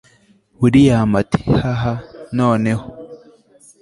william ati hhahaha noneho